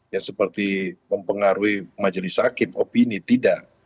ya seperti mempengaruhi majelis hakim opini tidak